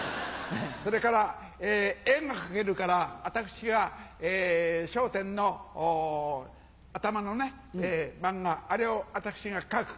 それから絵が描けるから私が『笑点』の頭の漫画あれを私が描く。